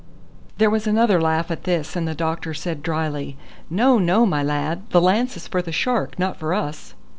There was another laugh at this, and the doctor said drily: "No, no, my lad; the lance is for the shark, not for us."